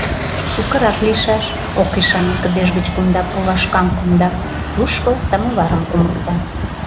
Шукырак лийшаш! — ок ӱшане, кыдеж гыч кумда пулашкам конда, тушко самоварым кумыкта.